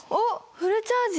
フルチャージだ！